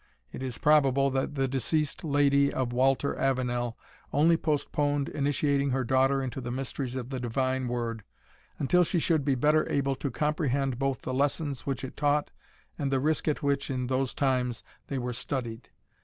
It is probable that the deceased Lady of Walter Avenel only postponed initiating her daughter into the mysteries of the Divine Word, until she should be better able to comprehend both the lessons which it taught, and the risk at which, in those times, they were studied.